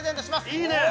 いいねえ